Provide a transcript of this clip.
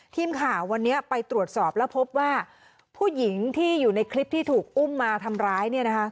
ทีมข่าววันนี้ไปตรวจสอบแล้วพบว่าผู้หญิงที่อยู่ในคลิปที่ถูกอุ้มมาทำร้าย